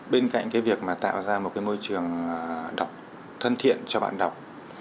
bên cạnh việc tạo ra một môi trường thân thiện cho bạn đọc